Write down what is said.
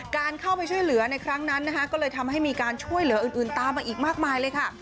การเข้าไปช่วยเหลือในครั้งนั้นนะคะก็เลยทำให้มีการช่วยเหลืออื่นตามมาอีกมากมายเลยค่ะ